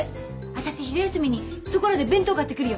私昼休みにそこらで弁当買ってくるよ。